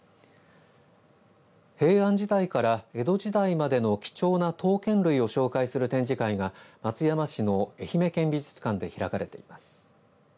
平安時代から江戸時代までの貴重な刀剣類を紹介する展示会が松山市の愛媛県美術館で開かれています。